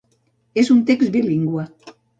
És un text bilingüe.